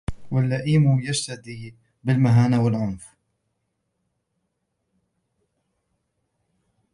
وَاللَّئِيمُ يَجْتَدِي بِالْمَهَانَةِ وَالْعُنْفِ